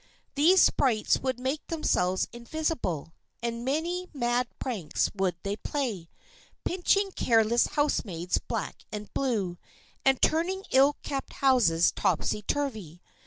These sprites would make themselves invisible, and many mad pranks would they play, pinching careless housemaids black and blue, and turning ill kept houses topsy turvy.